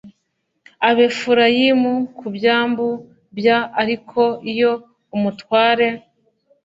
abefurayimu ku byambu bya ariko iyo umutware